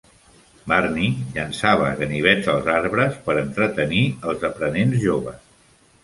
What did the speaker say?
Varney llançava ganivets als arbres per entretenir els aprenents joves.